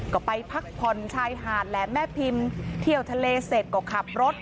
ก็ไปพักผ่อนชายหาดแหลมแม่พิมพ์เที่ยวทะเลเสร็จก็ขับรถ